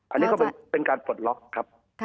อันนี้ก็เป็นการปลดล็อกครับ